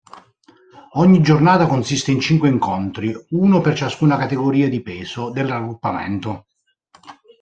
Ogni giornata consiste in cinque incontri, uno per ciascuna categoria di peso del raggruppamento.